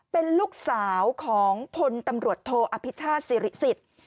เป็นลูกสาวของคนตำรวชโทอพิจารณ์ศรีศิษฐ์